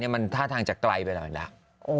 มันท่าทางจะไกลไปแล้ว